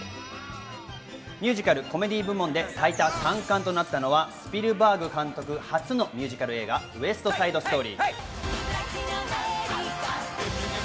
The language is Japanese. ミュージカルコメディー部門で最多３冠となったのはスピルバーグ監督初のミュージカル映画『ウエスト・サイド・ストーリー』。